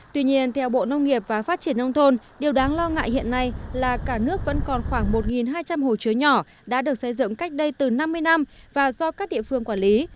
tuy nhiên theo bộ nông nghiệp và phát triển nông thôn điều đáng lo ngại hiện nay là cả nước vẫn còn khoảng một hai trăm linh hồ chứa nhỏ đã được xây dựng cách đây từ năm mươi năm và do các địa phương quản lý